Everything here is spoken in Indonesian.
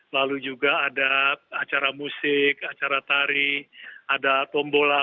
lalu juga ada acara musik acara tari ada tombola